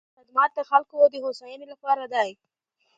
خدمت د خلکو د هوساینې لپاره دی.